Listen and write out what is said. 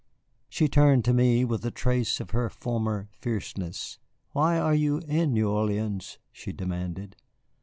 She turned to me with a trace of her former fierceness. "Why are you in New Orleans?" she demanded.